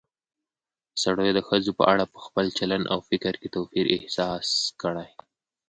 سړيو د ښځو په اړه په خپل چلن او فکر کې توپير احساس کړى